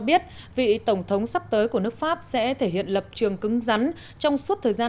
biết vị tổng thống sắp tới của nước pháp sẽ thể hiện lập trường cứng rắn trong suốt thời gian